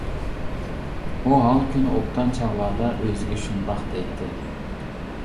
ئۇ ھال كۈنى ئوبدان چاغلاردا ئۆزىگە شۇنداق دەيتتى.